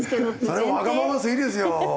それはわがまますぎですよ！